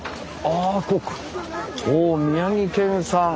おお宮城県産。